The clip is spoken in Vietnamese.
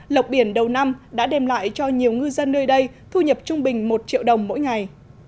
lộc biển đầu năm đã đem lại cho nhiều ngư dân nơi đây thu nhập trung bình một triệu đồng mỗi ngày